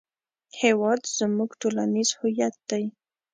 هېواد زموږ ټولنیز هویت دی